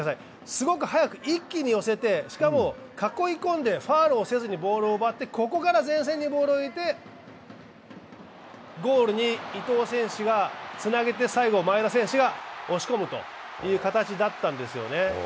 すごく速く一気に寄せてしかも囲い込んでファウルをせずにボールを奪って、ここでボールを前線に入れてゴールに伊東選手がつなげて、最後、前田選手が押し込むという形だったんですよね。